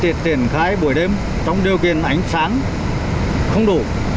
khi tiến hành triển khai buổi đêm trong điều kiện ánh sáng không đủ